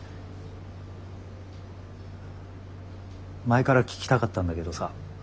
前から聞きたかったんだけどさ。